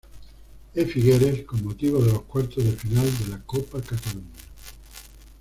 E. Figueres, con motivo de los cuartos de final de la Copa Cataluña.